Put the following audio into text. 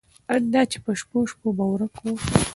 ان دا چې په شپو شپو به ورک و.